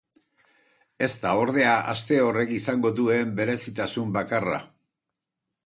Ez da ordea aste horrek izango duen berezitasun bakarra.